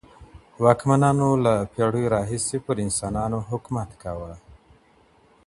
واکمنانو له پېړيو راهيسي پر انسانانو حکومت کاوه.